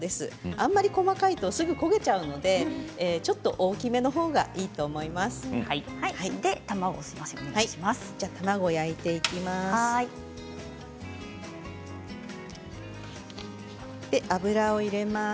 あまり細かいとすぐ焦げてしまうのでちょっと大きめのほうがいいと思います。